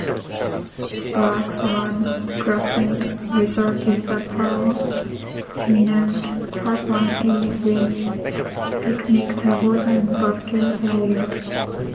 "Blaxland Crossing Reserve" is a prominent parkland with picnic tables and barbecue areas.